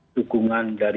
tukungan dari bapak ibu